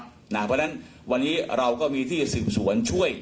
เพราะฉะนั้นวันนี้เราก็มีที่สืบสวนช่วย